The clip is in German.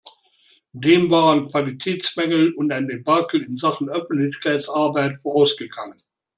Dem waren Qualitätsmängel und ein Debakel in Sachen Öffentlichkeitsarbeit vorausgegangen.